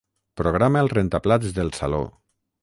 Programa el rentaplats del saló.